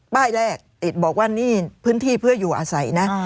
ป้ายแรกติดบอกว่านี่พื้นที่เพื่ออยู่อาศัยนะ